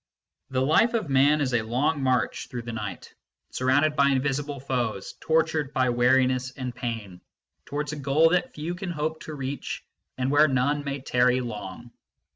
The life of Man is a long march through the night, surrounded by invisible foes, tortured by weariness and pain, towards a goal that few can hope to reach, and where none may tarry long.